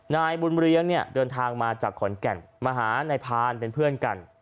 นายบุญเลี้ยงเนี่ยเดินทางมาจากขอนแก่นมาหานายพานเป็นเพื่อนกัน